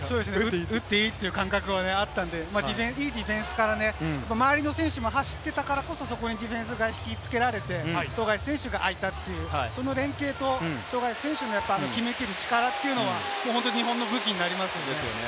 打っていいって感覚はあったのでね、いいディフェンスからね、周りの選手も走ってたからこそ、そこにディフェンスが引き付けられて、富樫選手があいたっていうその連係と富樫選手の決めきる力というのは日本の武器ですよね。